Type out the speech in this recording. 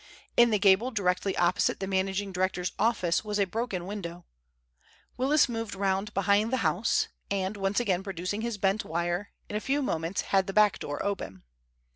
In the gable directly opposite the managing director's office was a broken window. Willis moved round behind the house, and once again producing his bent wire, in a few moments had the back door open.